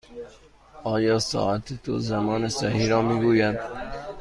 آیا ساعت تو زمان صحیح را می گوید؟